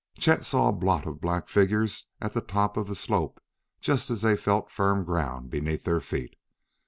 Chet saw a blot of black figures at the top of the slope just as they felt firm ground beneath their feet.